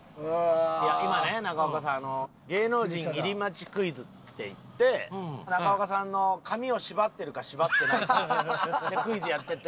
今ね中岡さん芸能人入り待ちクイズっていって中岡さんの髪を縛ってるか縛ってないかでクイズやってて。